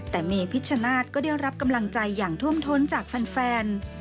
แต่เมพิชชนาธิ์ก็ได้รับกำลังใจอย่างท่วมท้นจากแฟน